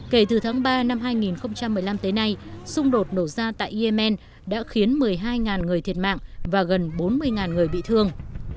kể từ tháng ba năm hai nghìn một mươi năm tới nay xung đột nổ ra tại yemen đã khiến một mươi hai người thiệt mạng và gần bốn mươi người bị thương